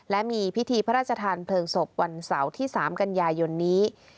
และมีพิธีพระราชทานเพลิงศพวันเสาร์ที่๓กันยายนนี้